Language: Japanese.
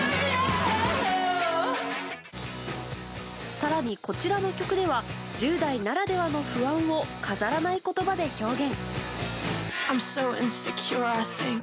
更に、こちらの曲では１０代ならではの不安を飾らない言葉で表現。